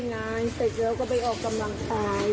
อีสาวไหว้นามโภคก็ยังพูดมาอย่ากลุมท้านแล้วน้องปึ้น